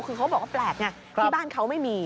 คือเขาบอกว่าแปลกไงที่บ้านเขาไม่มี